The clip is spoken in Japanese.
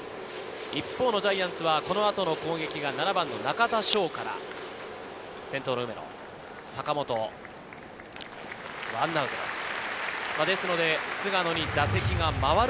一方、ジャイアンツはこの後の攻撃が７番・中田翔から先頭・梅野、坂本、１アウトです。